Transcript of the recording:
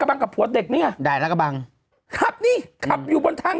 กระบังกับผัวเด็กเนี้ยได้ละกระบังนี่ขับอยู่บนทาง